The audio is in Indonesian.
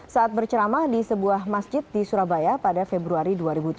saat berceramah di sebuah masjid di surabaya pada februari dua ribu tujuh belas